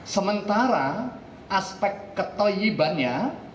sementara aspek ketoyibannya